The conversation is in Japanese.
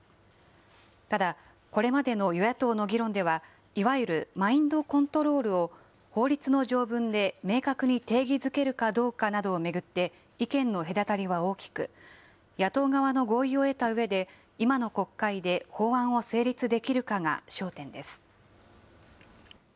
ただ、これまでの与野党の議論では、いわゆるマインドコントロールを法律の条文で明確に定義づけるかどうかなどを巡って、意見の隔たりは大きく、野党側の合意を得たうえで、今の国会で法案を成立できるかが焦点です。